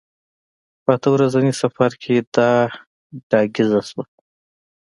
په اته ورځني سفر کې دا ډاګیزه شوه.